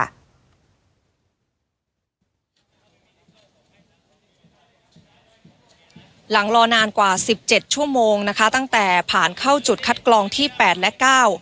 หลังรอนานกว่าสิบเจ็ดชั่วโมงนะคะตั้งแต่ผ่านเข้าจุดคัดกรองที่แปดและเก้า